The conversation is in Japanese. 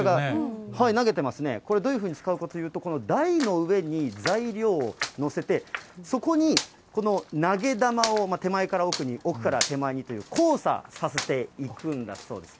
投げてますね、これ、どういうふうに使うかといいますと、この台の上に材料を載せて、そこにこの投げ玉を手前から奥に、奥から手前にという交差させていくんだそうです。